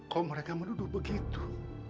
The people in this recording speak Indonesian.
kok mereka menuduh begitu